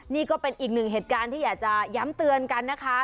นี่ก็เป็นอีกหนึ่งเหตุการณ์ที่อยากจะย้ำเตือนกันนะคะ